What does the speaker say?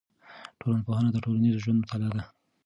ټولنپوهنه د ټولنیز ژوند مطالعه ده.